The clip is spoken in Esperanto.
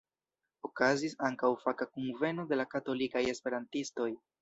Okazis ankaŭ faka kunveno de la katolikaj esperantistoj.